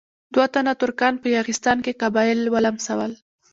دوه تنه ترکان په یاغستان کې قبایل ولمسول.